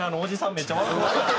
めっちゃ笑ってました。